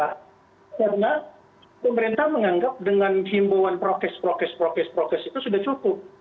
karena pemerintah menganggap dengan himbauan prokes prokes itu sudah cukup